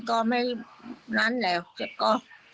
ก็ฉันก็ไม่นั้นแล้วฉันก็